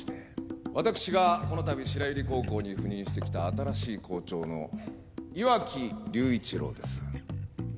私がこのたび白百合高校に赴任してきた新しい校長の岩城隆一郎です。